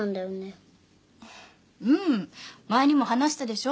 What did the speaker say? うん前にも話したでしょ？